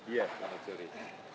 ya pak maksudri